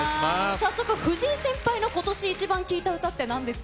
早速、藤井先輩の、今年イチバン聴いた歌ってなんですか？